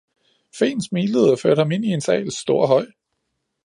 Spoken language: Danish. Feen smilede og førte ham ind i en sal, stor og høj.